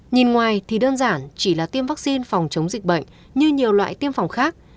nhìn ngoài thì đơn giản chỉ là tiêm vaccine phòng chống dịch bệnh như nhiều loại tiêm phòng khác